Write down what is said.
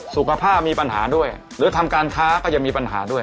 สุขภาพมีปัญหาด้วยหรือทำการค้าก็จะมีปัญหาด้วย